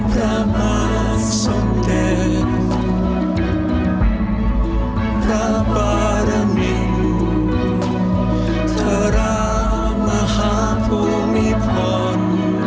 พระมาสมเด็จพระปารมินทรมาฮภูมิพร